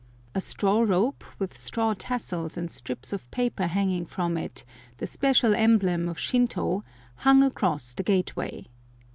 A straw rope, with straw tassels and strips of paper hanging from it, the special emblem of Shintô, hung across the gateway.